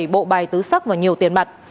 bảy bộ bài tứ sắc và nhiều tiền mặt